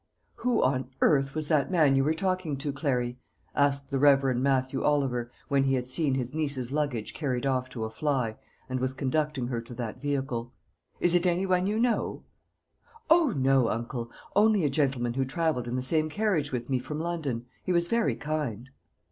"Who on earth was that man you were talking to, Clary?" asked the Reverend Mathew Oliver, when he had seen his niece's luggage carried off to a fly, and was conducting her to that vehicle. "Is it any one you know?" "O, no, uncle; only a gentleman who travelled in the same carriage with me from London. He was very kind."